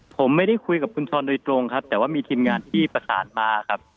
ผมไม่ได้คุยกับคุณช้อนโดยตรงครับแต่ว่ามีทีมงานที่ประสานมาครับ